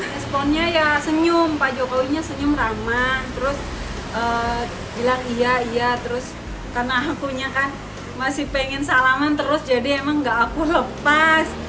responnya ya senyum pak jokowinya senyum raman terus bilang iya iya terus karena akunya kan masih pengen salaman terus jadi emang gak aku lepas